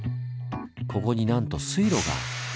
ここになんと水路が！